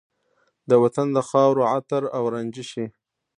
د وطن د خاورو عطر او رانجه شي